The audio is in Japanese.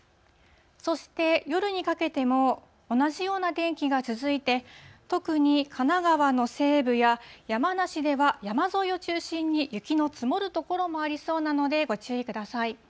そして、夜にかけても同じような天気が続いて、特に神奈川の西部や、山梨では山沿いを中心に、雪の積もる所もありそうなのでご注意ください。